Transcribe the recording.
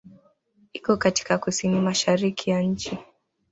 Iko katika kusini-mashariki ya nchi.